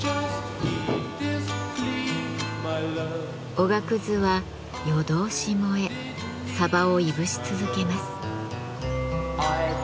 おがくずは夜通し燃えサバをいぶし続けます。